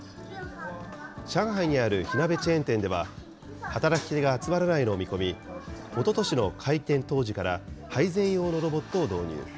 上海にある火鍋チェーン店では、働き手が集まらないのを見込み、おととしの開店当時から配膳用のロボットを導入。